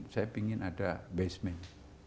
saya pingin ada basement